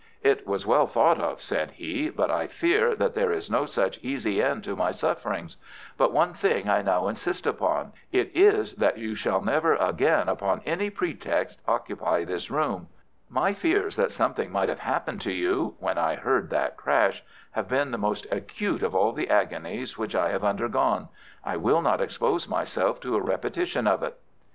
"It was well thought of," said he, "but I fear that there is no such easy end to my sufferings. But one thing I now insist upon. It is that you shall never again upon any pretext occupy this room. My fears that something might have happened to you—when I heard that crash—have been the most acute of all the agonies which I have undergone. I will not expose myself to a repetition of it."